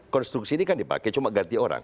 konstruksi ini kan dipakai cuma ganti orang